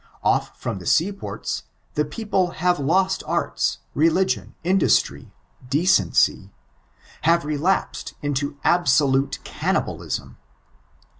Off from the seaports, the people have lost arts, religion, indostry, decency— have relapsed into absolute cannibalism.